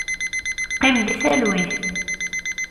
Qim di talwit!